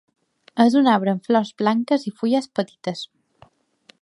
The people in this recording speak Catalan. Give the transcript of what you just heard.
És un arbre amb flors blanques i fulles petites.